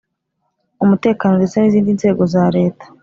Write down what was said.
umutekano ndetse n izindi nzego za Leta